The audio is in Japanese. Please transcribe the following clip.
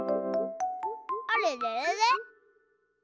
あれれれれ？